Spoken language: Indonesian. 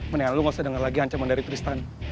menilai lu gak usah denger lagi ancaman dari tristan